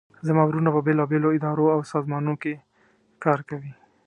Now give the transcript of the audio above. زما وروڼه په بیلابیلو اداراو او سازمانونو کې کار کوي